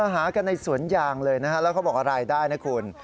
หากันในสวนยางเลยนะฮะแล้วเขาบอกว่ารายได้นะคุณ